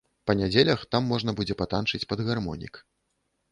Па нядзелях там жа можна будзе патанчыць пад гармонік.